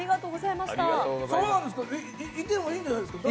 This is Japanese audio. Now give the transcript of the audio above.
いてもいいんじゃないですか？